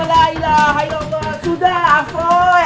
ya allah sudah apoy